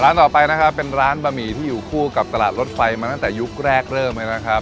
ต่อไปนะครับเป็นร้านบะหมี่ที่อยู่คู่กับตลาดรถไฟมาตั้งแต่ยุคแรกเริ่มเลยนะครับ